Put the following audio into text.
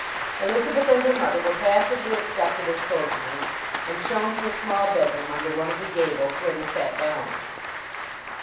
Elizabeth and her mother were passively accepted as sojourners, and shown to a small bedroom under one of the gables, where they sat down.